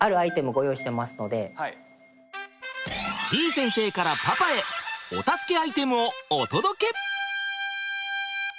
先生からパパへお助けアイテムをお届け！